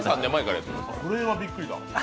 それはびっくりだ。